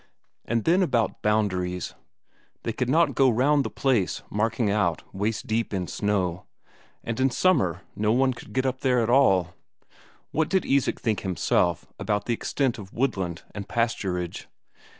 And then about boundaries. They could not go round the place marking out waist deep in snow; and in summer no one could get up there at all. What did Isak think himself about the extent of woodland and pasturage?